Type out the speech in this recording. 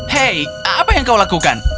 hei apa yang kau lakukan